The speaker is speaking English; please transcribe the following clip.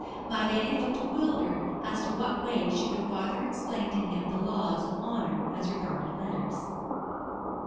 My lady looked bewildered as to what way she could farther explain to him the laws of honour as regarded letters.